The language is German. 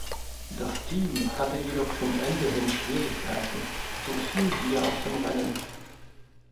Das Team hatte jedoch zum Ende hin Schwierigkeiten und fiel wieder aus dem Rennen.